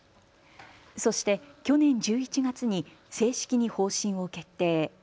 そして去年１１月に正式に方針を決定。